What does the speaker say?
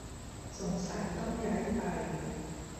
สงสัยต้องย้ายไป